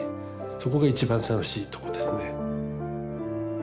そこが一番楽しいとこですね。